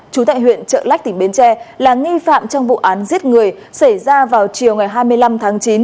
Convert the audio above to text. chú tại huyện trợ lách tỉnh bến tre là nghi phạm trong vụ án giết người xảy ra vào chiều ngày hai mươi năm tháng chín